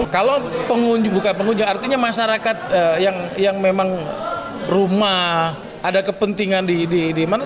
kalau pengunjung bukan pengunjung artinya masyarakat yang memang rumah ada kepentingan di mana